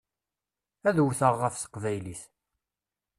Ad wteɣ ɣef teqbaylit.